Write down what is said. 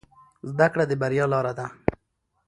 زده کړه د بریا لاره ده